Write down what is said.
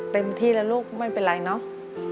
เต็มที่แล้วลูกไม่เป็นไรเนาะ